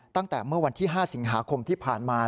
ตั้งแต่เมื่อวันที่๕สิงหาคมที่ผ่านมา